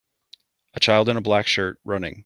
A child in a black shirt, running.